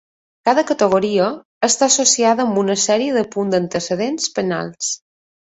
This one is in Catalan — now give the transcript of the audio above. Cada categoria està associada amb una sèrie de punts d'antecedents penals.